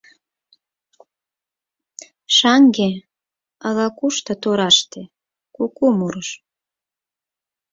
Шаҥге ала-кушто тораште куку мурыш.